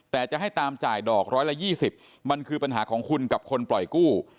แต่จะให้ตามจ่ายดอกร้อยละ๒๐มันคือปัญหาของคุณกับคนปล่อยกู้